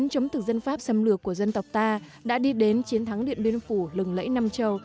chống thực dân pháp xâm lược của dân tộc ta đã đi đến chiến thắng điện biên phủ lừng lẫy nam châu